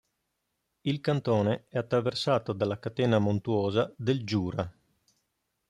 Il cantone è attraversato dalla catena montuosa del Giura.